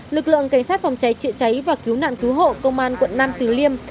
lực lượng cảnh sát phòng cháy trựa cháy và cứu nạn cứu hộ công an quận năm tứ liêm